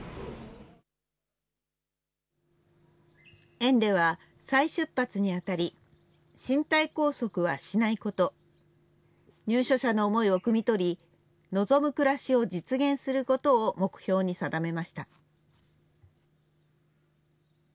園では、再出発にあたり、身体拘束はしないこと、入所者の思いをくみ取り、望む暮らしを実現することを目標に定めました。